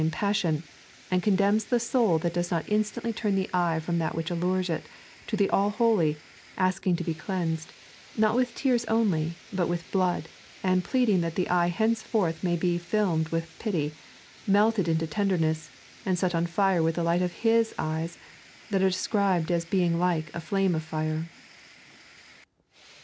61 m£juDe passion ; and condemns the aoul tliat does not instantly tarn the eye from that which allures it, to the All Holy, askiag^ to be cleansed, not with tears only, but with blood, and pleading that the eye henceforth may be filmed with pity, melted into tenderness, and set on fire with the light of Hig eyes, that are described as being like a flame of fire.